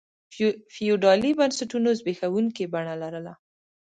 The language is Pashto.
فیوډالي بنسټونو زبېښونکي بڼه لرله.